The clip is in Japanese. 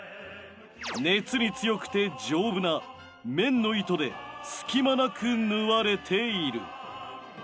熱に強くて丈夫な綿の糸で隙間なく縫われている。